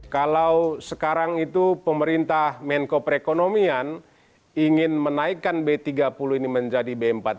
kalau sekarang itu pemerintah menko perekonomian ingin menaikkan b tiga puluh ini menjadi b empat puluh